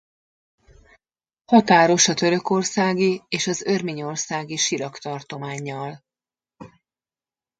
Határos a törökországi és az örményországi Sirak tartománnyal.